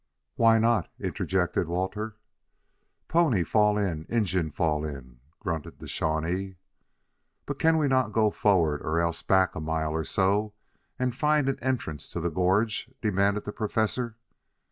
"Why not?" interjected Walter. "Pony fall in Injun fall in," grunted the Shawnee. "But can we not go forward or else back a mile or so and find an entrance to the gorge?" demanded the Professor.